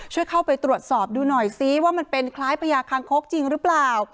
ช่วยเข้าไปตรวจสอบดูหน่อยซิว่ามันเป็นคล้ายพญาคางคกจริงหรือเปล่า